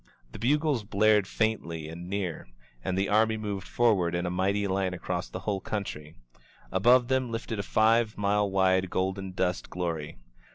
The bugles blared faintly and near, and the army moved for ward in a mighty line across the whole country. Above them lifted a five mile wide golden dust glory.